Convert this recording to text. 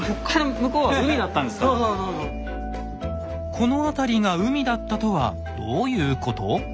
この辺りが海だったとはどういうこと？